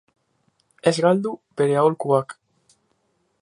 Ez galdu bere aholkuak!